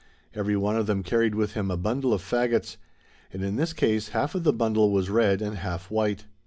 Every one of them carried with him a bundle of fagots, and in this case half of the bundle was red and half white.